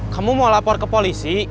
kamu mau lapor ke polisi